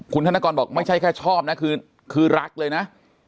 คุณธนกรบอกไม่ใช่แค่ชอบนะคือรักเลยนะ